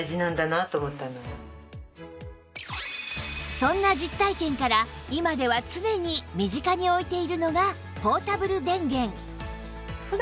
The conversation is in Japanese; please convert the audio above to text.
そんな実体験から今では常に身近に置いているのがポータブル電源